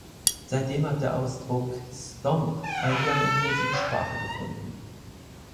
Seitdem hat der Ausdruck "Stomp" Eingang in die Musiksprache gefunden.